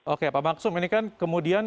oke pak bangsum ini kan kemudian